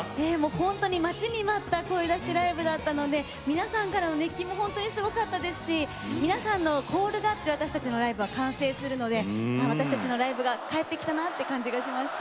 本当に待ちに待った声出しライブだったので皆さんからの熱気も本当にすごかったですし皆さんのコールがあって私たちのライブは完成するので私たちのライブが帰ってきたなって感じがしました。